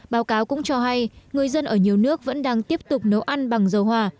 báo cáo cũng cho hay người dân ở nhiều nước vẫn đang tiếp tục nấu ăn bằng dầu hòa